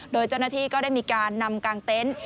โดยเจ้าหน้าที่ก็ได้มีการนำกางเต็นต์